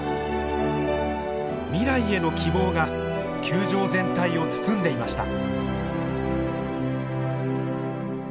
未来への希望が球場全体を包んでいました。